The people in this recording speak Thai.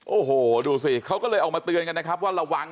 โอ้โหดูสิเขาก็เลยออกมาเตือนกันนะครับว่าระวัง